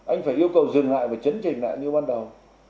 anh phải yêu cầu dừng lại và chấn chỉnh lại như ban đầu